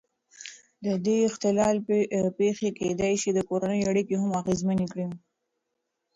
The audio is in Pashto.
د دې اختلال پېښې کېدای شي د کورنۍ اړیکې هم اغېزمنې کړي.